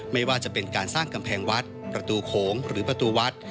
ไม่ว่าจะเป็นการสร้างกำแพงวัดประตูโขงหรือประตูวัด